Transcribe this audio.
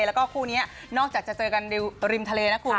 แล้วก็คู่นี้นอกจากจะเจอกันริมทะเลนะคุณ